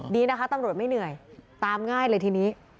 ดีนะคะตำรวจไม่เหนื่อยตามง่ายเลยทีนี้